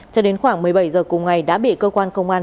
cho đến khoảng một mươi bảy h cùng ngày đã bị cơ quan công an